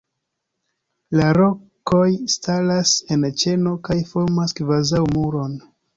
La rokoj staras en ĉeno kaj formas kvazaŭ muron.